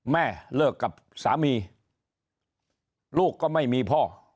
แม่เลิกกับสามีลูกก็ไม่มีพ่อ